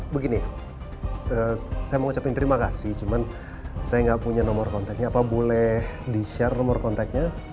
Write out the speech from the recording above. begini saya mau ngucapin terima kasih cuman saya nggak punya nomor kontennya apa boleh di share nomor kontaknya